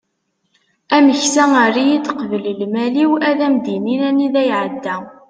ameksa err-iyi-d qbel lmal-iw ad am-d-inin anida iεedda